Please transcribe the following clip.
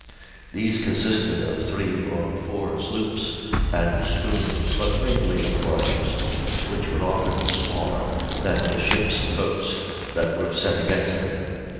These consisted of three or four sloops and schooners, but mainly of barges, which were often smaller than the ship's boats that were sent against them.